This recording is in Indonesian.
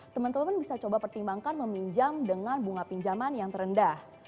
teman teman bisa coba pertimbangkan meminjam dengan bunga pinjaman yang terendah